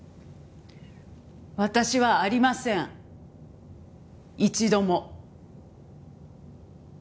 私はありません一度も。